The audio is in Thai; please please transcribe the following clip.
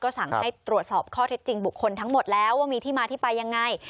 สั่งให้ตรวจสอบข้อเท็จจริงบุคคลทั้งหมดแล้วว่ามีที่มาที่ไปยังไง